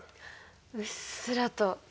うっすらと。